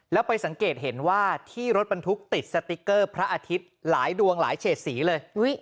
แล้วไปสังเกตเห็นว่าที่รถบรรทุกติดสติ๊กเกอร์พระอาทิตย์หลายดวงหลายเฉดสีเลย